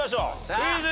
クイズ。